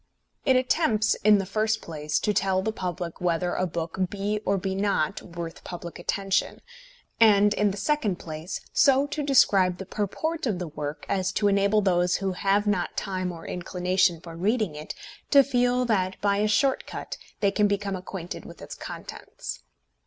It attempts, in the first place, to tell the public whether a book be or be not worth public attention; and, in the second place, so to describe the purport of the work as to enable those who have not time or inclination for reading it to feel that by a short cut they can become acquainted with its contents.